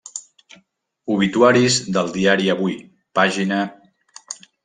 Obituaris del diari Avui, pag.